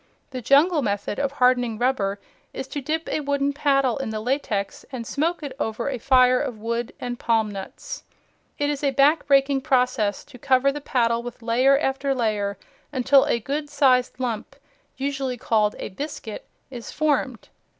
The jungle method of hardening rubber is to dip a wooden paddle in the latex and smoke it over a fire of wood and palm nuts. It is a back breaking process to cover the paddle with layer after layer, until a good sized lump, usually called a "biscuit," is formed.